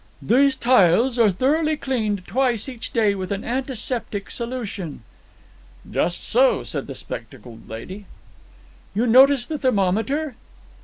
"These tiles are thoroughly cleaned twice each day with an antiseptic solution." "Just so," said the spectacled lady. "You notice the thermometer."